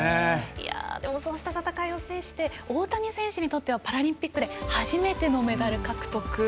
そうした戦いを制して大谷選手にとってはパラリンピックで初めてのメダル獲得。